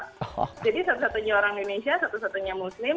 jadi satu satunya orang di indonesia satu satunya muslim